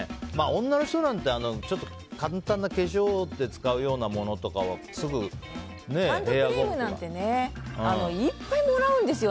女の人なんて簡単な化粧で使うようなものとかハンドクリームなんていっぱいもらうんですよ。